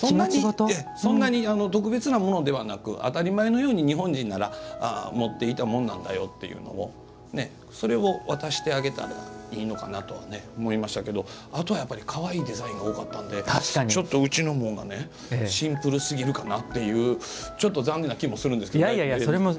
そんなに特別なものではなく当たり前のように日本人なら持っていたものなんだよというのをそれを渡してあげたらいいのかなと思いましたけれどもあとは、やっぱりかわいいデザインが多かったんでちょっとうちの紋がシンプルすぎるという残念な気持ちもありました。